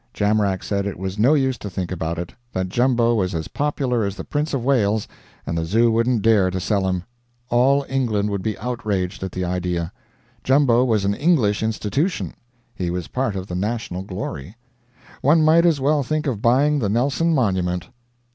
Jamrach said it was no use to think about it; that Jumbo was as popular as the Prince of Wales and the Zoo wouldn't dare to sell him; all England would be outraged at the idea; Jumbo was an English institution; he was part of the national glory; one might as well think of buying the Nelson monument.